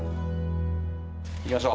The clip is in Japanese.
行きましょう。